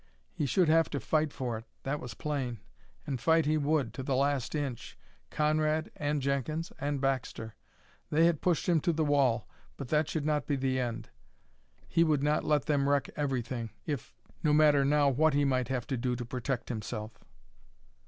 He should have to fight for it, that was plain and fight he would, to the last inch, Conrad and Jenkins and Baxter. They had pushed him to the wall, but that should not be the end. He would not let them wreck everything if no matter now what he might have to do to protect himself.